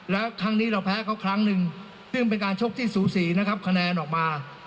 แล้วครั้งนี้เราแพ้เขาครั้งหนึ่งซึ่งเป็นการชกที่สูสีนะครับคะแนนออกมา